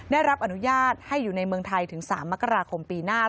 ได้รับอนุญาตให้อยู่ในเมืองไทยถึง๓มกราคมปีหน้า